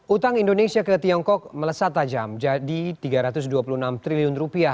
utang indonesia ke tiongkok melesat tajam jadi rp tiga ratus dua puluh enam triliun